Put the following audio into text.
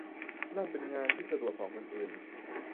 นั่นเป็นงานที่สะดวกของคนอื่น